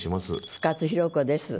深津弘子です。